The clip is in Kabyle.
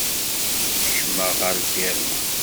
Keccmeɣ ɣer lfirma.